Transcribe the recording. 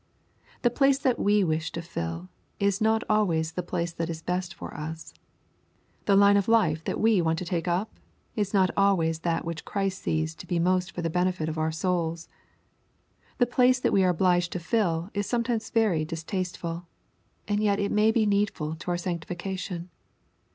The place that we wish to fill is not always the place that is best for us. The line of life that we want to take up, is not always that which Christ sees to be most for the benefit of our souls. The place that we are obliged to fill is sometimes very distasteful, and yet it may be needful to our sanctification.